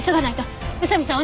宇佐見さん